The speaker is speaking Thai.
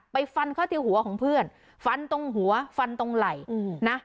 ไปฟันข้อเตียวหัวของเพื่อนฟันตรงหัวฟันตรงไหล่อืมนะ